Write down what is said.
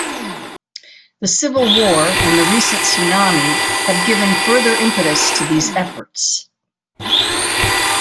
The civil war and the recent tsunami have given further impetus to these efforts.